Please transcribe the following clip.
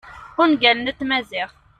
ungalen-a n tmaziɣt